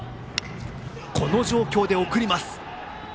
この状況で送ります。